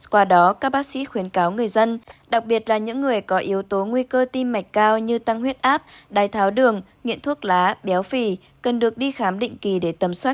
qua đó các bác sĩ khuyến cáo người dân đặc biệt là những người có yếu tố nguy cơ tim mạch cao như tăng huyết áp đai tháo đường nghiện thuốc lá béo phì cần được đi khám định kỳ để tầm soát các bệnh lý tim mạch để tránh các biến chứng cấp tính đặc biệt là nồi máu cơ tim